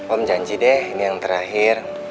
om janji deh ini yang terakhir